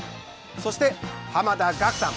そして濱田岳さん。